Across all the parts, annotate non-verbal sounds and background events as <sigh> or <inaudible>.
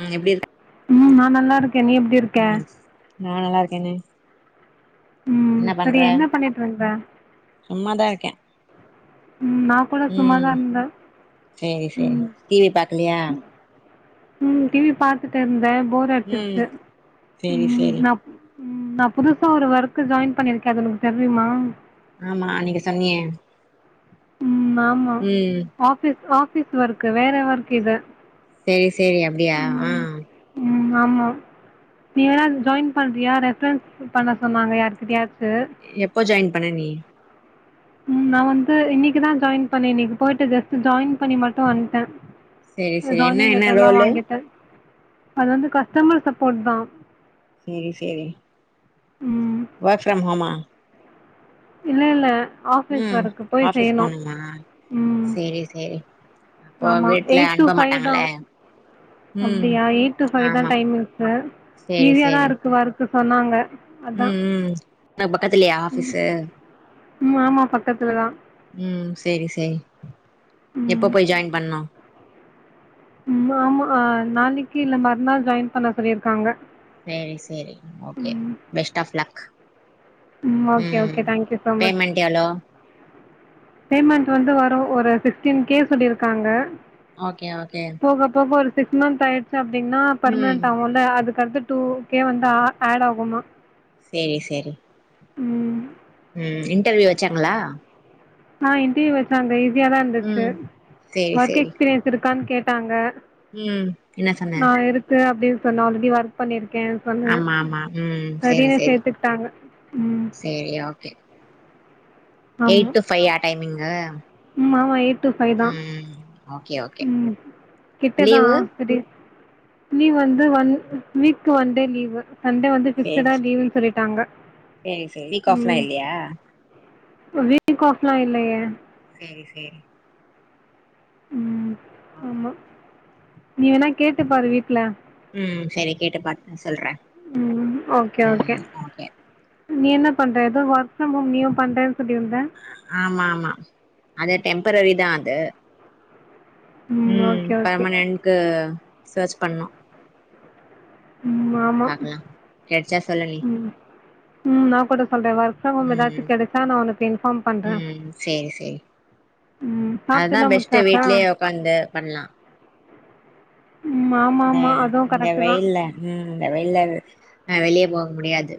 ம் எப்டி இருக்க உம் நா நல்லா இருக்கே நீ எப்படி இருக்கே ம் நா நல்லா இருக்கே நீ உம்ம்ம் சேரி என்ன பண்ணிட்டு இருக்குற சும்மாதா இருக்கே நான் கூட சும்மா உம் தான் இருந்தேன் சேரி சேரி டிவி பாக்கலையா உம் டிவி பாத்துட்டு இருந்தே போர் ம் அடிச்சுருச்சு சேரி உம் சேரி நா ம் நா புதுசா ஒரு ஒர்க்கு ஜாயின் பண்ணியிருக்கே அது உனக்கு தெரியுமா ஆமா அன்னிக்கு சொன்னியே ம் ஆமா ம் ஆபீஸ் ஆபீஸ் ஒர்க்கு வேற ஒர்க் இது சேரி சேரி அப்டியா ஆஹ் ம் ஆமா நீ வேணா ஜாயின் பண்றியா ரெஃப்ரன்ஸ் பண்ண சொன்னாங்க யாருகிட்டயாது எப்போ ஜாயின் பண்ண நீ உம் நா வந்து இன்னைக்குதா ஜாயின் பண்ணே இன்னைக்கு போயிட்டு ஜஸ்ட் ஜாயின் பண்ணி மட்டு வந்துட்டே சேரி சேரி என்ன ஜாய்னிங் என்ன லெட்டர்லா ரோலு வாங்கிட்டே அது வந்து கஸ்டமர் சப்போர்ட் தா சேரி சேரி ம் ஒர்க் ஃப்ரம் ஹோமா இல்லே இல்லே ஆபீஸ் ம் ஒர்க் போய் ஆஃபீஸ் செய்யணும் போணுமா உம் சேரி சேரி அப்போ ஆமா வீட்ல எயிட் டு அனுப்ப ஃபைவ் தா மாட்டாங்கல்ல ம் அப்டியா எயிட் டு ஃபைவ் தா ஆமா டைம் இருக்கு ஈஸியாதா இருக்கு வர்க்கு சொன்னாங்க அதா உம் உம் என்ன பக்கத்துலையா ஆபீஸ்ஸு உம் ஆமா பக்கத்துல தா உம் சேரி சேரி எப்ப போய் ஜாயின் பண்ணு உ ஆமா ஆஹ் நாளைக்கு இல்லே மறுநாள் ஜாயின் பண்ண சொல்லியிருக்காங்க சேரி சேரி okay best of luck okay ம் okay thank you so much payment எவ்ளோ பேமெண்ட் வந்து வரு ஒரு சிக்ஸ்டீன் கே சொல்லியிருக்காங்க ஓகே ஓகே போக போக ஒரு சிக்ஸ் மன்த் ஆயிடுச்சு அப்புடின்னா ம் பர்மனென்ட் ஆகுலே அதுக் அடுத்து டூ கே வந்து ஆ அட் ஆகுமா சேரி சேரி உம் உம் இன்டர்வியூ வச்சாங்களா ஆஹ் இன்டர்வியூ வச்சாங்க ஈஸியா தா இருந்துச்சு ம் ஒர்க் எக்ஸ்பீரியன்ஸ் இருக்கான்னு கேட்டாங்க உம் என்ன சொன்னே அப்டி சொன்ன ஆல் ரெடி ஒர்க் பண்ணிரு கே சொன்னே ஆமா ஆமா ம் சேரி சரினு சேரி சேத்துக்கிட்டாங்க உம் சேரி ஓகே எயிட் டூ ஃபையா டைமிங்கு ம் ஆமா எயிட் டூ ஃபைவ் தான் ம் ஓகே ஓகே உம் லீவு கிட்டதான் சேரி லீவ் வந்து one week one day leave Sunday வந்து சேரி ஃபிக்ஸடா லீவுன்னு சொல்லிட்டாங்க சேரி சேரி வீக் ஆஃப்லா உம் இல்லையா வீன கோஃப்ல்லாம் <unintelligible> இல்லையே சேரி சேரி உம் ஓகே ஆமா நீ வேணா கேட்டு பாரு வீட்ல உம் சரி கேட்டுப்பாத் சொல்ற ம் ஓகே ஓகே உம் ஓகே நீ என்ன பண்ற எதோ ஒர்க்கு மும் நீயு பண்றன் ஆமா ஆமா அது டெம்ப்ரரிதா அது ம் உம் ஓகே ஓகே பர்மனன்கு சர்ச் பண்ணு ம் ஆமா பாக்கலா கெடச்சா சொல்லு நீ ம் ம் நா கூட சொல்ற ஒர்க் ஃப்ரம் ஹோம் எதாச்சு ம் கெடச்சா நா உனக்கு இன்ஃபார்ம் பண்ற அதா பெஸ்ட்டு வீட்லியே உக்காந்து பண்லா ம் ஆமா இந்த ஆமா அதுவும் இந்த கரெக்ட்டு தான் வெயில்ல உம் இந்த வெயில்ல அ வெளிய போக முடியாது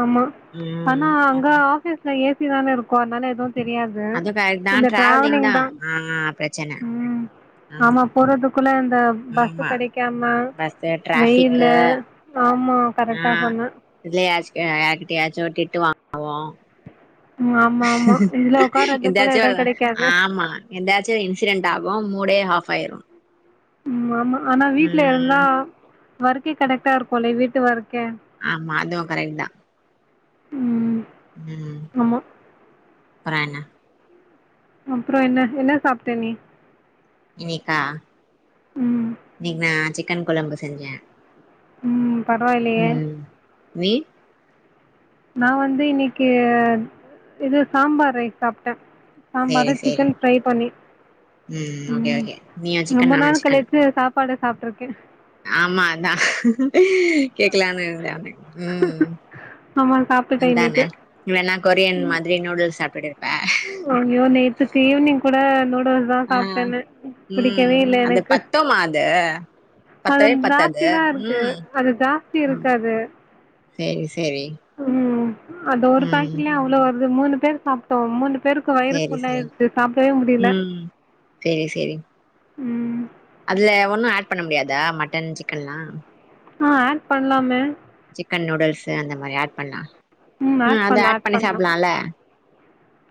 ஆமா ம் ஆனா அங்க பாக்கலா ஆபீஸ்ல ஏசி தான இருக்கு அதனால எதுவு தெரியாது அது கரெக்ட் தா இந்த டிராவலிங் தா ட்ராவலிங்தா ஆ பிரச்சன ம் ஆமா போரோட்டுக் க பஸ்சு ஆமா கெடைக்காம பஸ்ஸு டிராஃபிக்கு வெய்யிலு ஆமா ஆ கரட்டா சொன்ன இதுல யாச்க யார்கிட்டியாச்சு டிட்டு வாங்கவோ உம் ஆம் எந்தாச்சு ஒரு கெடைக்காது ஆம்மா எந்தாச்சு இன்சிடன்ட்டாகு மூடே ஆஃப் பயிரு ம் ஆமா ஆனா வீட்ல இருந்தா வர்க்கே கடெக்டாருக்குல வீட்டு வர்க் ஆமா அதுவு கரைட்தா உம் உம் அப்ற என்ன அப்ற என்ன என்ன சாப்ட நீ இனிக்கா ம் இனிக் நா சிக்கன் கொழம்பு செஞ்ச உம் பரவாயில்லியே நீ நா வந்து இன்னிக்கு இது சாம்பார் ரைஸ் சாப்ட்ட சாம்பாரு சேரி சேரி சிக்கன் ஃரை பண்ணி ம் ஓகே உம் ஓகே நீயு சிக்கன் ரொம்ப நானு நாள் சிக்கன் கழிச்சு சாப் ப்பாட சாப்ட்ருக்க ஆமா அதா கேக்கலானு இருந்த அத உம் ஆமா சாப்ட்டுட்டே அந்தான இன்னைக்கு வேணா கொரியன் மாதிரி நூடுல்ஸ் சாப்டுடு ஐய்யோ நேத்துக்கு ஈவ்னிங் கூட நூ டுல்ஸ்தா ஆ சாப்டனு ம் புடிக்கவேல அது எனக்கு பத்துமா அது அது பத்தவே பத்தாது ஜாஸ்திதா இருக்கு ம் அது ஜாஸ்தி இருக்காது சேரி சரி ம் அது ஒரு பேக்ரில அவ்ளோ வருது மூணு பேர் சாப்டோ மூணுப் பேருக்கு வயிறு சேரி சேரி ஃபுல்லாயிருச்சு சாப்டவே முடில ம் சேரி சேரி உம் அதுல ஒன்னு ஏட் பண்ண முடியாதா மட்டன் சிக்கன்லா ஆ ஏட் பண்லாமே சிக்கன் நூடுல்ஸ்சு அந்த மாரி ஏட் பண்லா ம் ஆட் அத பண்லா ஏட் ஆட் பண்ணி பண்லா சாப்புல்லால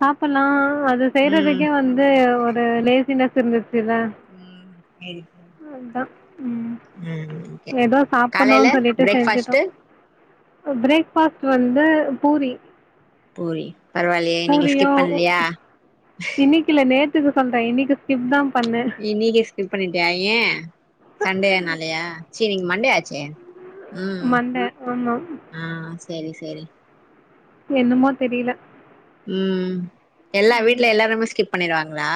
சாப்பல்லா அது செய்யறதுக்கே வந்து ஒரு லேசினஸ் இருந்துச் சில ம் சேரி சேரி அத்தா உம் ம் ஓகே ஏதோ காலைல சாப்புன்னுன் சொல்லிட்டு செஞ்சுட்டோ பிரேக்ஃபாஸ்ட்டு பிரேக் ஃபாஸ்ட் வந்து பூரி பூரி பரவால்லியே நீங்க பூரியு ஸ்கிப் பண்லியா திகு சொல்ற இன்னைக்கு ஸ்ஸிப்தாப் இன்னிகே ஸ்கிப் பண்ணிட்டியா ஏ சண்டேனாலியா டினிங் மண்டே ஆச்சே மண்டே ஆமா செரி செரி என்னமோ தெரில உம் எல்லா வீட்ல எல்லாருமே ஸ்கிப் பண்ணிருவாங்ளா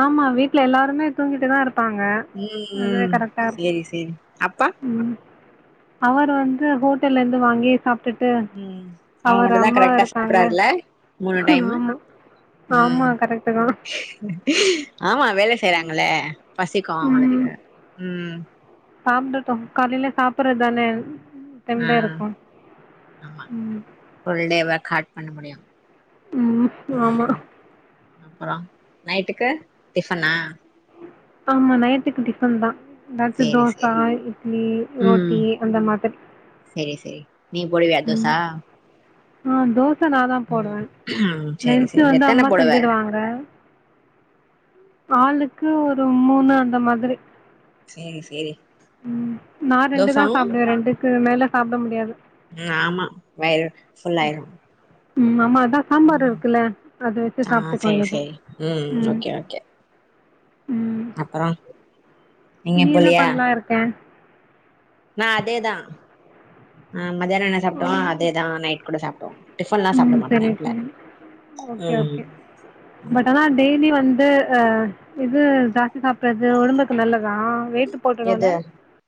ஆமா வீட்ல எல்லாருமே தூங்கிட்டுதா இரு ப்பாங்க ம் அதுவே ம் கரெக்டா இருக்கு சேரி சேரி அப்பா ம் அவர் வந்து ஹோட்டல்ல இருந்து வாங்கி சாப் டுட்டு ம் அவ அவர் மட்டுந்தா அம்மா கரெக்டா இருக்காங்க சாப்புட்றாருல்ல மூணு டைமு ஆமா ம் ஆமா கரெக்டு தா ஆமா வேல செய்றாங்கல பசிக்கு அவுங்களுக்கு ம் சாப்டட்டு காலைல சாப்படறதானே ஆ ஆமா ம் ஃபுல் டே ஒர்க் ஹார்ட் பண்ண முடியு ம் ஆமா அப்பற நைட்டுக்கு டிஃபனா ஆமா நைட்டுக்கு டிஃபன் தா எதாச்சு சேரி தோசா சேரி இட்லி ம் ரோட்டி அந்த மாதிரி சேரி சேரி நீ போடுவியா ம் தோசா ஆ தோசை நாந்தா போடுவே ம் சேரி நென்ச்சு சேரி வந்து எத்தன அம்மா போடுவ செஞ்சுடு வாங்க ஆளுக்கு ஒரு மூணு அந்த மாதிரி செரி செரி ம் நா ரெண்டு தா சாப்டுவே ரெண்டுக்கு மேல சாப்ட முடியாது ம் ஆமா வயிறு ஃபுல்லாயிரு ம் அம்மா அதா சாம்பார் ம் இருக்குல அத வச்சு ஆ சாப்ட்டுக்குவாங் செரி இப்போ செரி ம் ம் அப்பற நீ என்ன பண்லா இருக்கே நா அதேதா ஆ மத்யான என்ன சாப்ட்டோ அதேதா நைட் கூட சாப்ட்டோ டிஃபன்லா சாப்ட ம் மாட்டோ சரி நைட்ல சரி ஓகே ம் ஓகே ஆமா பட் ஆனா டெய்லி வந்து அ அது ஜாஸ்தி சாப்படறது ஒடம்புக்கு நல்லதா வெய்ட்டு போட்டுடல்ல எது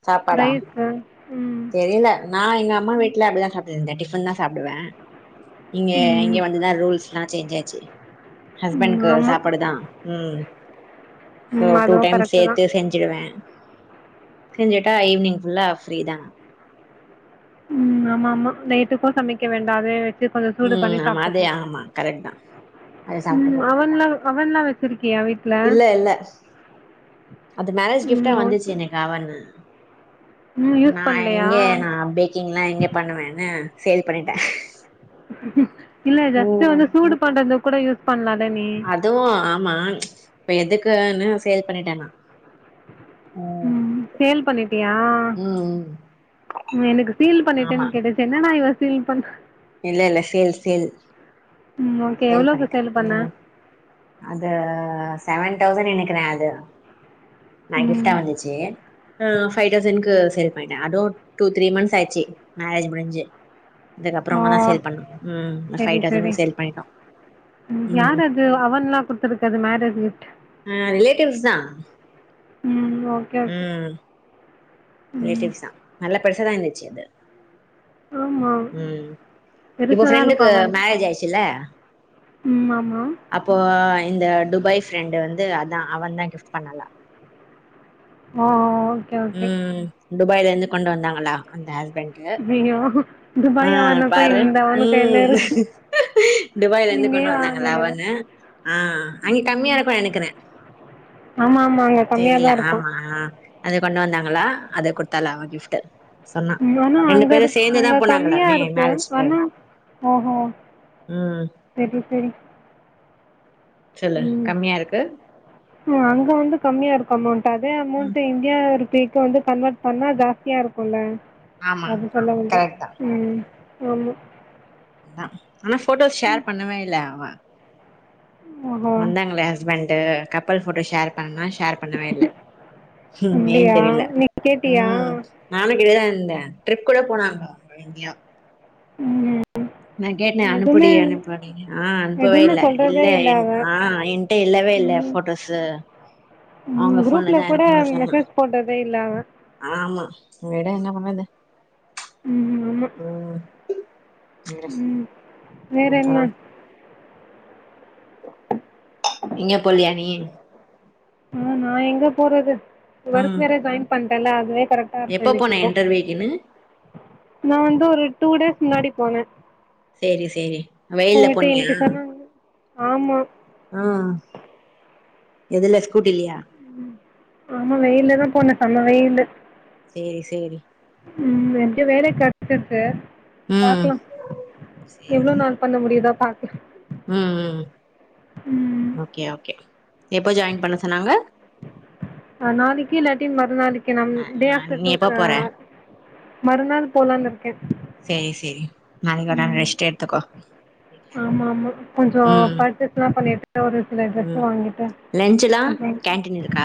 சாப்பாடா ரைஸு ம் தெரில நா எங்க அம்மா வீட்ல அப்டிதா சாப்டுட்ருந்தே டிஃபன் தா சாப்டுவே இங்க ம் இங்க வந்துதா ரூல்ஸ்லா சேன்ச் ஆச்சு ம் ஹஸ்பண்ட்கு ஆமாம் சாப்பாடுதா ம் சோ ம் டூ அதுவும் டைம்ஸ் கரெக்ட்டு தான் சேத்து செஞ்சுடுவே செஞ்சிட்டா ஈவினிங் ஃபுல்லா ஃப்ரீ தா ம் ஆமாமா நைட்டுக்கோ சமைக்க வேண்டா அதே கொஞ்ச சூடு ம் பண்ணி ஆமா அதே சாப்ட்டுக்லா ஆமா கரெக்ட் தா அத ம் சாப்ட்டுப்போ அவன்லா அவன்லா வச்சிருக்கியா வீட் இல்ல இல்ல அது மேரேஜ் கிஃப்டா ம் வந்துச்சு ஓகே எனக்கு அவன் ம் யூஸ் நா பண்ணலையா எங்க நா பேக்கிங்லா எங்க பண்ணுவேனு சேல் பண்ணிட்ட இல்ல ஜஸ்ட் வந்து சூடு பண்றதுனா கூட யூஸ் பண்லா அதுவு ஆமா இப்ப எதுக்குனு சேல் பண்ணிட்டே நா ம் சேல் பண்ணிட்டியா ம் ம் ம் எனக்கு சீல் ஆமா பண்ணிட்டேன் கேட்டுச்சு என்னடா இவ சீல் பண்ணா இல்ல இல்ல சேல் சேல் ம் ஓகே எவ்ளோக்கு பண்ணிட்டே சேல் பண்ண ம் அது செவன் டௌசண்ட் நினைக்கறே அது மை கிஃப்டா ம் வந்துச்சு அ ஃபைவ் தௌசண்க்கு சேல் பண்ணிட்டே அதும் டூ த்ரீ மன்த்ஸ் ஆயிர்ச்சு மேரேஜ் முடிஞ்சு ஓ அதுக்கப்றோமா தா சேல் பண்ணோ ம் சரி ஃபைவ் சரி டௌசண்ட்க்கு சேல் பண்ணிட்டோ ம் யார் அது அவன்லா குடுத்தருக்கறது மேரேஜ் கிஃப்ட் ஆ ரிலேட்டிவ்ஸ் தா ம் ஓகே ஓகே ம் ம் ரிலேட்டிவ்ஸாதா நல்ல பெருச தான் இந்துச்சு அது ஆமா ம் இப்போ பெருசா தான் இருக்கும் ஃப்ரெண்டுக்கு அவன் மேரேஜ் ஆயிச்சுல்ல ம் ஆமா அப்போ இந்த டுபாய் ஃப்ரெண்டு வந்து அதான் அவன் தான் கிஃப்ட் பண்ணாலா ஓ ஓ ஓக் ம் ம் டுபாய்ல இந்து கொண்டு வந்தாங்களா அந்த அ ஐயோ ஆ துபாய் அவனுக்கும் பாரு இந்த அவனுக்கும் என்ன ம் இருக்கு டுபாய்ல ருந்து கொண்டு இங்கேயே வாங்க வந்தாங்கல வேண்டியது தான் அவன்னு ஆ அங்க கம்மியா இருக்கு நனைக்கிறே ஆமா ஆமா அங்க கம்மியா தெரில தான் இருக்கும் ஆமா ஆ அது கொண்டு வந்தாங்களா அதை கொடுத்தால அ கிஃப்ட் யோ ஆனா அங்க இரு அங்க கம்மியா போனாங்களாமே இருக்கு மேரேஜ்க்கு ஓன் ஓகோ ம் செரி செரி சொல்லு ம் கம்மியா இருக்கு அங்க வந்து கம்மியா இருக் அமௌன் ட் அதே ம் அமௌன்ட் இந்தியா ரூபிக்கே வந்து கன்வெர்ட் பண்ணா ஜாஸ்தியா இருக்குல்ல ஆமா அது சொல்ல வந்த கரெக்ட் தா ம் ஆமா அதா ஆனா போட்டோஸ் ஷேர் பண்ணவே இல்ல அவ ஓஹோ வந்தாங்களே ஹஸ்பண்டு கப்பல் போட்டோ ஷேர் பண்னா ஷேர் பண்ணவே இல்ல ஏ அப்டியா தெரில நீ கேட்டியா ம் நானும் கேட்டுகிட்டே தான் ந்தேன் ட்ரிப் கூட போனாங்க அவங்க எங்கியோ ம் நா கேட்னே அனுப்புடி எதுமே அனுப்புடி ஆ அனுப்பவே எதுமே இல்ல இல்ல சொல்றதே என் அவ ஆ என்டே இல்லவே ல்ல ம் ஃபோட்டோஸு ம் அவங்க குரூப்ல போன்லதான் கூட இருக்குன்னு சொன்னா மெசேஜ் போட்டதே இல்ல அவ ஆமா விடு என்ன பண்றது ம் ஆமா ம் <unintelligible> வேற என்ன இங்க போலியா நீ ஆ நான் எங்க போறது ஒர்க் ம் வேற ஜாயின் பண்டேன்ல அதுவே கரெக்டா இருக் எப்ப எனக் போன இப்போ இன்டர்வியூக்குன்னு நான் வந்து ஒரு டூ டேஸ் முன்னாடி போனே சரி சரி வெய்ல்ல போயிட்டு போனியா இன்னைக்கு சொன்னாங்க ஆமா ஆ எதுல ஸ் ம் ஆமா வெயில தான் போனே செம வெயிலு சேரி சேரி ம் ரெண்டு வேலை கிடைச்சிற்கு ம் பாக்கலா சேரி எவ்ளோ சேரி நாள் பண்ண முடியுதா பாக் ம் ம் ம் ஓகே ஓகே எப்போ ஜாயின் பண்ண சொன்னாங்க அ நாளிக்கு இல்லாட்டி மறுநளைக்கு நம் டே ஆஃப்டர் டூ செரி செரி நாளைக் ஓர் நாள் ம் ரெஸ்ட் எடுத்துகோ ஆமா ஆமா கொஞ்ச பர்ச்சேஸ்ல்லாம் பண்ணிட்டு ஒரு சில ட்ரெஸ்ஸு வாங்கிட்டு லஞ்சுலா அப்றோ கேன்டின் இருக்கா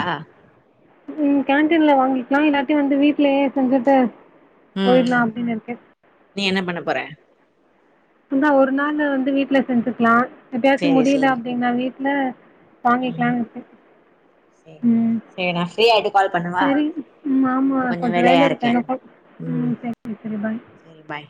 ம் கேண்ட்டீன்ல வாங்கிக்கலா இல்லாட்டை வந்து வீட்லயே செஞ்சுட்டு ம் போயிடலா அப்படின்னு இருக்கே நீ என்ன பண்ண போற அ ஒரு நாள் வந்து வீட்ல செஞ்சுக்கலா எப்பயாச்சு சேரி முடியல சேரி அப்ப்டீங்கன்னா வீட்ல ம் வாங்கிக்கலானு விட்ட சேரி சேரி நான் ஃப்ரீயாயிட்டு கால் பண்ணுவா சரி ம் இப்ப ஆமாம் கொஞ்சம் வேலை வேலையா இருக்குது இருக்கே எனக்கும் ம் சரி சரி பாய் சரி பாய்